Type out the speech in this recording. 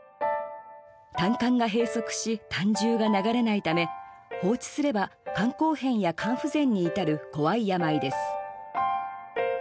胆管が閉塞し胆汁が流れないため放置すれば肝硬変や肝不全に至る怖い病です。